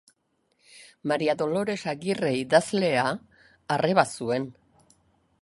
Maria Dolores Agirre idazlea arreba zuen.